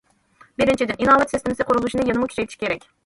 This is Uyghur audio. بىرىنچىدىن، ئىناۋەت سىستېمىسى قۇرۇلۇشىنى يەنىمۇ كۈچەيتىش كېرەك.